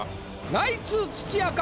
ナイツ土屋か？